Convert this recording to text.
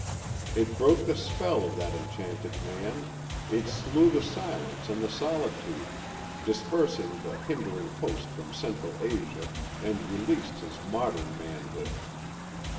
It broke the spell of that enchanted man; it slew the silence and the solitude, dispersed the hindering host from Central Asia and released his modern manhood.